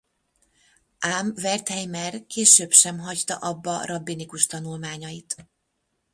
Ám Wertheimer később sem hagyta abba rabbinikus tanulmányait.